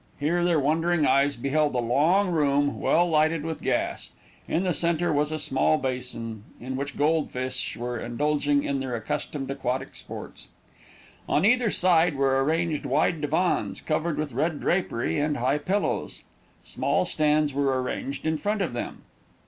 Here their wondering eyes beheld a long room, well lighted with gas. In the centre was a small basin, in which goldfish were indulging in their accustomed aquatic sports. On either side were arranged wide divans, covered with red drapery and high pillows. Small stands were arranged in front of them.